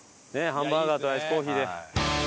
ハンバーガーとアイスコーヒーで。